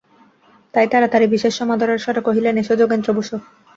তাই তাড়াতাড়ি বিশেষ সমাদরের স্বরে কহিলেন, এসো যোগেন্দ্র, বোসো।